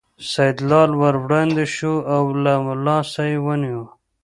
سیدلال ور وړاندې شو او له لاسه یې ونیو.